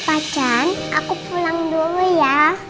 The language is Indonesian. pacaran aku pulang dulu ya